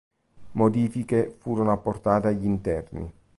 Modifiche furono apportate agli interni.